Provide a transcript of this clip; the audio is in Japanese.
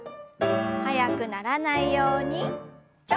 速くならないようにチョキ。